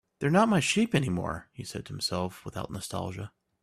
"They're not my sheep anymore," he said to himself, without nostalgia.